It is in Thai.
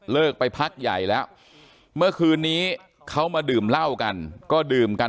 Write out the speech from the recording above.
ไปพักใหญ่แล้วเมื่อคืนนี้เขามาดื่มเหล้ากันก็ดื่มกัน